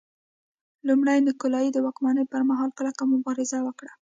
لومړي نیکولای د واکمنۍ پرمهال کلکه مبارزه وکړه.